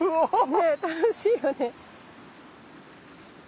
ね楽しいよね。